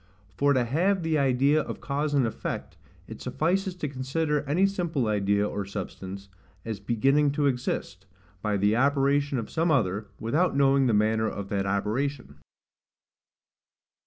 For to have the idea of cause and effect, it suffices to consider any simple idea or substance, as beginning to exist, by the operation of some other, without knowing the manner of that operation.